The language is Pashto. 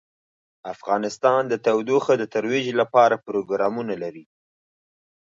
افغانستان د تودوخه د ترویج لپاره پروګرامونه لري.